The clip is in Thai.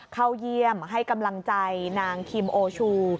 เข้าเยี่ยมให้กำลังใจนางคิมโอชู